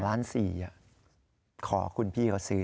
ล้าน๔ขอคุณพี่เขาซื้อ